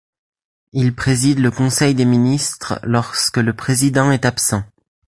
Il préside le conseil des ministres lorsque le président est absent.